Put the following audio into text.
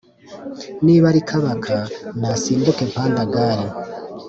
niba ari kabaka nasimbuke panda gar